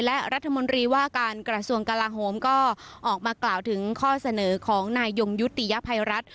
และรัฐมนตรีว่าการกระทรวงกลาโฮมก็ออกมากล่าวถึงข้อเสนอของนายยงยุติยภัยรัฐ